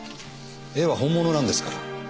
絵は本物なんですから。